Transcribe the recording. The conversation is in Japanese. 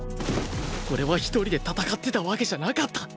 俺は一人で戦ってたわけじゃなかった！